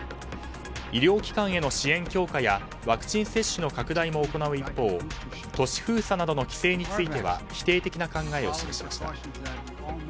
医療機関への支援強化やワクチン接種の拡大も行う一方都市封鎖などの規制については否定的な考えを示しました。